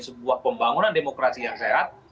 sebuah pembangunan demokrasi yang sehat